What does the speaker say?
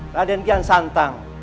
raden kian santang